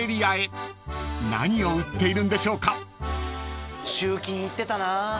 ［何を売っているんでしょうか］